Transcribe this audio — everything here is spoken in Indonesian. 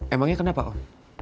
emangnya kenapa om